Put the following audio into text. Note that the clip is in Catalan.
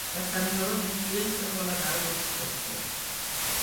Per Sant Jordi en Quirze vol anar d'excursió.